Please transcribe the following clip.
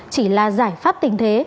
chỉ là giải pháp tình thế